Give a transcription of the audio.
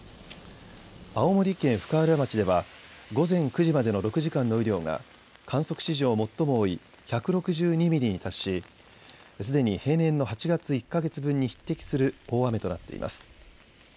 青森県深浦町では午前９時までの６時間の雨量が観測史上最も多い１６２ミリに達しすでに平年の８月１か月分に匹敵する大雨となっています。